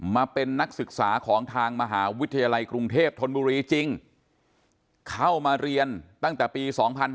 มาเป็นนักศึกษาของทางมหาวิทยาลัยกรุงเทพธนบุรีจริงเข้ามาเรียนตั้งแต่ปี๒๕๕๙